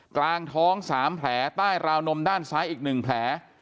กลางท้อง๓แผลใต้ราวนมด้านซ้ายอีก๑แผล